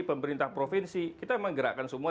pemerintah provinsi kita memang gerakan semua